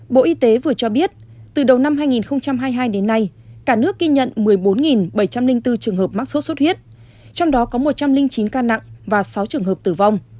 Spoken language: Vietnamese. bộ y tế vừa cho biết từ đầu năm hai nghìn hai mươi hai đến nay cả nước ghi nhận một mươi bốn bảy trăm linh bốn trường hợp mắc sốt xuất huyết trong đó có một trăm linh chín ca nặng và sáu trường hợp tử vong